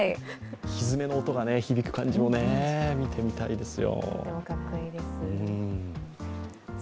ひづめの音が響く感じも見てみたいですよ。